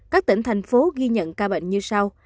các tỉnh thành phố ghi nhận ca bệnh như sau